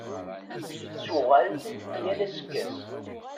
Yettuɣal-d yal aseggas.